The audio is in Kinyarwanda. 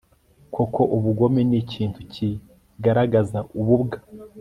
koko, ubugome ni ikintu kigaragaza ububwa